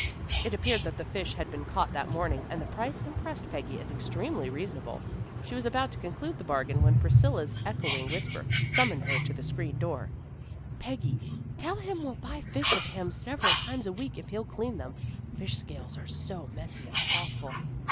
It appeared that the fish had been caught that morning and the price impressed Peggy as extremely reasonable. She was about to conclude the bargain when Priscilla's echoing whisper summoned her to the screen door. "Peggy, tell him we'll buy fish of him several times a week if he'll clean them. Fish scales are so messy and awful."